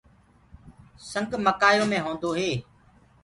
سنگ مڪآيو مي هوندوئي